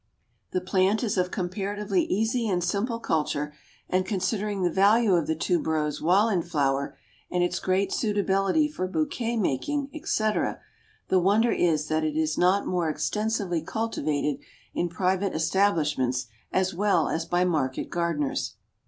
The plant is of comparatively easy and simple culture, and considering the value of the tuberose while in flower, and its great suitability for bouquet making, etc., the wonder is that it is not more extensively cultivated in private establishments as well as by market gardeners."